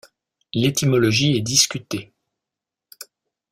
L'étymologie est discutée.